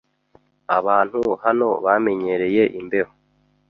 Abantu hano bamenyereye imbeho.